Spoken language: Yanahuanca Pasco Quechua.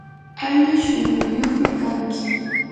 ali shunquyuqmi kanki.